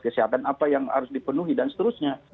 kesehatan apa yang harus dipenuhi dan seterusnya